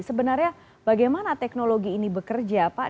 sebenarnya bagaimana teknologi ini bekerja pak